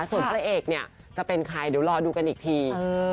ส่วนพระเอกเนี่ยจะเป็นใครเดี๋ยวรอดูกันอีกที